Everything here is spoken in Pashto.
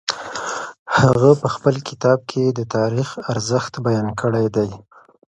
هغه په خپل کتاب کي د تاریخ ارزښت بیان کړی دی.